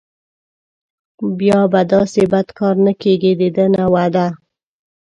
بیا به داسې بد کار نه کېږي دده نه وعده.